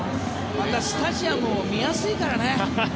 また、スタジアムも見やすいからね。